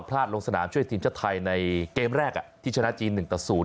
ลงสนามช่วยทีมชาติไทยในเกมแรกที่ชนะจีน๑ต่อ๐